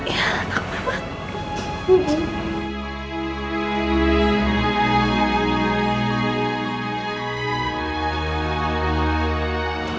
ya tak apa bu